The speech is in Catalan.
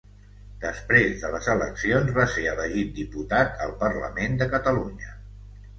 Després de les eleccions, va ser elegit diputat al Parlament de Catalunya.